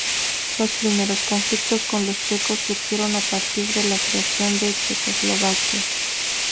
Los primeros conflictos con los checos surgieron a partir de la creación de Checoslovaquia.